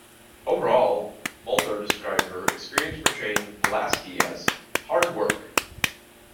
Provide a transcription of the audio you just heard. Overall, Muldaur described her experience portraying Pulaski as "hard work".